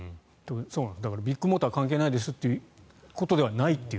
ビッグモーターは関係ないですということではないと。